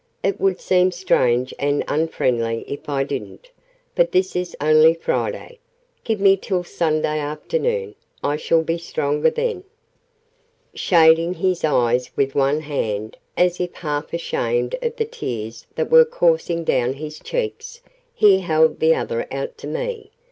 It would seem strange and unfriendly if I didn't. But this is only Friday. Give me till Sunday afternoon. I shall be stronger then." Shading his eyes with one hand, as if half ashamed of the tears that were coursing down his cheeks, he held the other out to me.